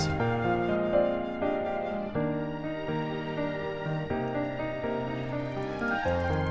tapi aku biasanya kan kayak gitu ya